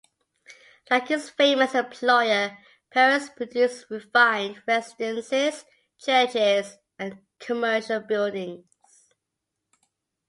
Like his famous employer, Parris produced refined residences, churches and commercial buildings.